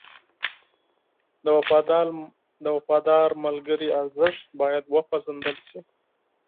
د وفادار ملګري ارزښت باید وپېژندل شي.